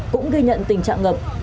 cũng ghi nhận tình trạng ngập